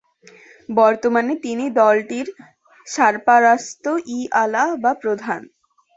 বর্তমানে তিনি দলটির "সারপারাস্ত-ই-আ'লা" বা প্রধান।